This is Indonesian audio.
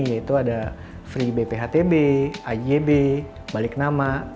yaitu ada free bphtb ajb balik nama